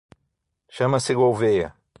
Chama-se Gouvêa.